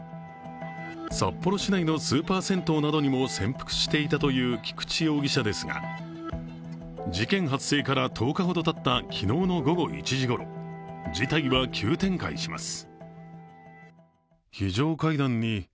札幌市内のスーパー銭湯などにも潜伏していたという菊池容疑者ですが事件発生から１０日ほどたった昨日午後１時ごろ事態は急展開します。